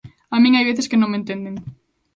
A min hai veces que non me entenden.